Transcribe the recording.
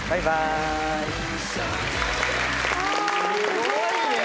すごいね！